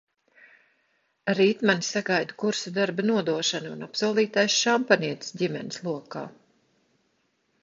Rīt mani sagaida kursa darba nodošana un apsolītais šampanietis ģimenes lokā.